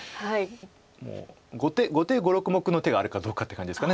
もう後手５６目の手があるかどうかって感じですか